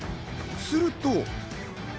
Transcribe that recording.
すると。